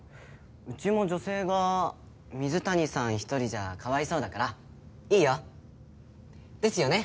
うちも女性が水谷さん１人じゃかわいそうだからいいよ。ですよね？